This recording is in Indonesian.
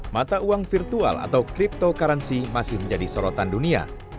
mata uang virtual atau cryptocurrency masih menjadi sorotan dunia